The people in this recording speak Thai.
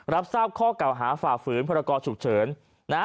รับทราบข้อเก่าหาฝ่าฝืนพรกรฉุกเฉินนะฮะ